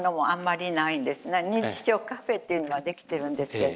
認知症カフェっていうのはできてるんですけど。